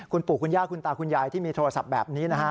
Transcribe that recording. คุณปู่คุณย่าคุณตาคุณยายที่มีโทรศัพท์แบบนี้นะฮะ